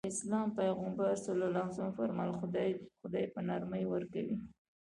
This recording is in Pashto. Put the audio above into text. د اسلام پيغمبر ص وفرمايل خدای په نرمي ورکوي.